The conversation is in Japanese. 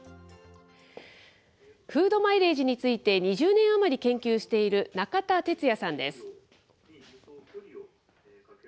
フード・マイレージについて、２０年余り研究している中田哲也さんです。